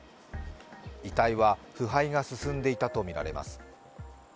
遺体は腐敗が進んでいたとみられます。